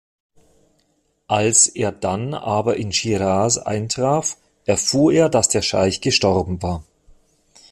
Als er dann aber in Schiraz eintraf, erfuhr er, dass der Scheich gestorben war.